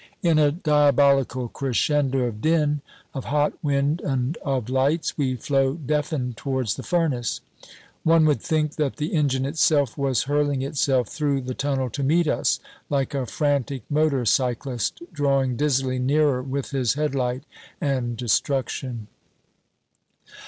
In a diabolical crescendo of din, of hot wind and of lights, we flow deafened towards the furnace. One would think that the engine itself was hurling itself through the tunnel to meet us, like a frantic motor cyclist drawing dizzily near with his headlight and destruction.